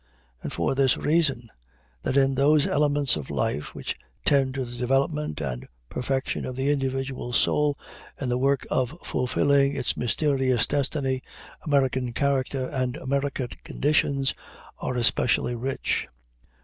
And for this reason: that in those elements of life which tend to the development and perfection of the individual soul in the work of fulfilling its mysterious destiny, American character and American conditions are especially rich.